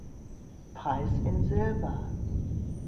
Preis in Silber.